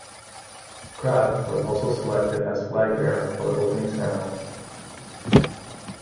Crabbe was also selected as flag bearer for the opening ceremony.